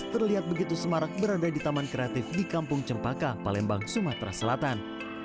terlihat begitu semarak berada di taman kreatif di kampung cempaka palembang sumatera selatan